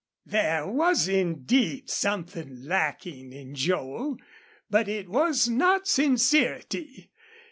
There was indeed something lacking in Joel, but it was not sincerity.